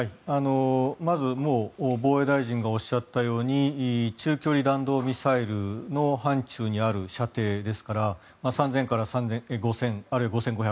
まず、もう防衛大臣がおっしゃったように中距離弾道ミサイルの範ちゅうにある射程ですから３０００から５０００あるいは５５００